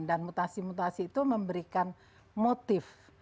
dan mutasi mutasi itu memberikan motif